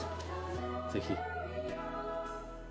ぜひ。